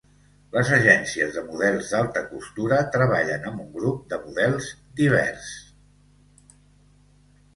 Les agències de models d'alta costura treballen amb un grup de models divers.